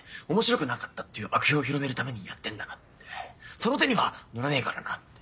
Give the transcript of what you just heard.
その手には乗らねえからなって。